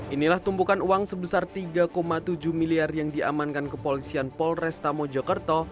inilah tumpukan uang sebesar tiga tujuh miliar yang diamankan kepolisian polresta mojokerto